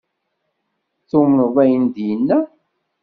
Tumneḍ ayen ay d-yenna?